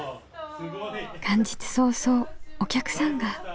元日早々お客さんが。